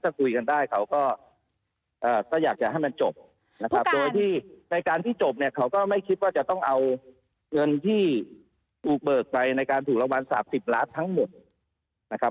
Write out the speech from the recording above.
ถ้าคุยกันได้เขาก็อยากจะให้มันจบนะครับโดยที่ในการที่จบเนี่ยเขาก็ไม่คิดว่าจะต้องเอาเงินที่ถูกเบิกไปในการถูกรางวัล๓๐ล้านทั้งหมดนะครับ